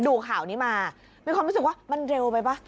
ดูข่าวนี้มามีความรู้สึกว่า